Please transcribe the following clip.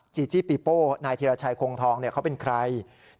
จีจี้ปีโป้นายธีรชัยคงทองเขาเป็นใคร